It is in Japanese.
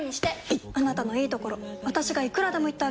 いっあなたのいいところ私がいくらでも言ってあげる！